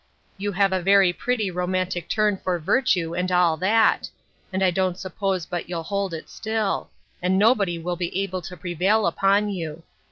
—You have a very pretty romantic turn for virtue, and all that.—And I don't suppose but you'll hold it still: and nobody will be able to prevail upon you.